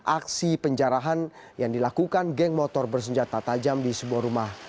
aksi penjarahan yang dilakukan geng motor bersenjata tajam di sebuah rumah